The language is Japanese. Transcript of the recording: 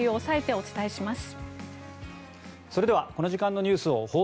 お伝えします。